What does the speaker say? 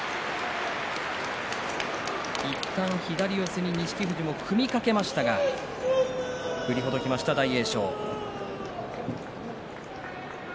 いったん左四つに錦富士組みかけましたが振りほどきました、大栄翔。